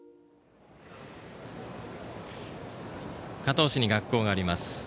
加東市に学校があります。